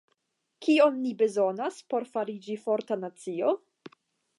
Kion ni bezonas por fariĝi forta nacio?